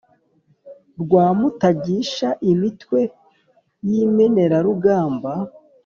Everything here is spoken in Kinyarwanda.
rwa mutagisha imitwe y'imenerarugamba,